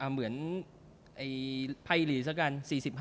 เหมือนภัยหลีซะกัน๔๕